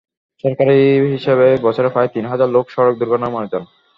সরকারি হিসাবে বছরে প্রায় তিন হাজার লোক সড়ক দুর্ঘটনায় মারা যান।